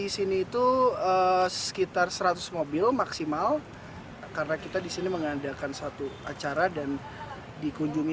di sini itu sekitar seratus mobil maksimal karena kita disini mengadakan satu acara dan dikunjungi